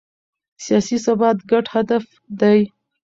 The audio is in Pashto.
سیاسي ثبات ګډ هدف دی